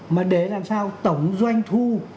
mà để làm sao tổng doanh thu